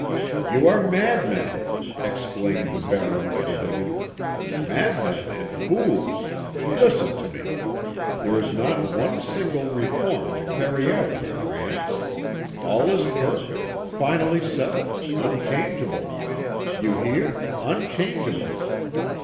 "You are madmen!" exclaimed Baron Everdingen; "madmen and fools! Listen to me. There is not one single reform to carry out in France. All is perfect, finally settled, unchangeable. You hear? unchangeable."